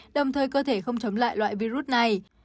đồng thời cơ thể không chống lại loại virus này